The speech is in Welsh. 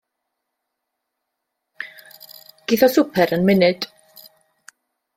Geith o swper yn munud.